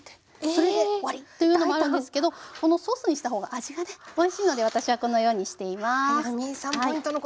それで終わりというのもあるんですけどこのソースにした方が味がねおいしいので私はこのようにしています。